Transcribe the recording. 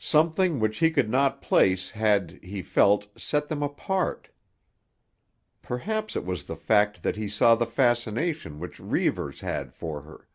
Something which he could not place had, he felt, set them apart. Perhaps it was the fact that he saw the fascinations which Reivers had for her.